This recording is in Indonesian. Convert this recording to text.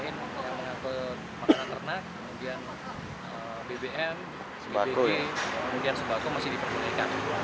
yang mengaku makanan ternak kemudian bbm bgb kemudian sebagul masih diperbolehkan